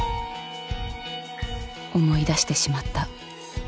思い出してしまった。